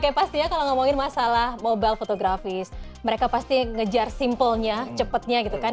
oke pastinya kalau ngomongin masalah mobile photography mereka pasti ngejar simpelnya cepetnya gitu kan